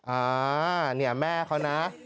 อ่าเนี่ยแม่เขานะ